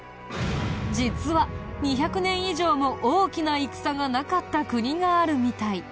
実は２００年以上も大きな戦がなかった国があるみたい。